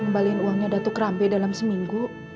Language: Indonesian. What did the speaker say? membalikan uangnya datuk rampe dalam seminggu